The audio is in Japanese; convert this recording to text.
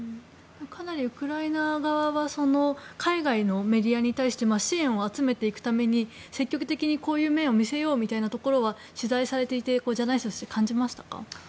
かなりウクライナ側は海外のメディアに対して支援を集めていくために積極的にこういう面を見せようみたいなところは取材されていてジャーナリストとして感じましたか？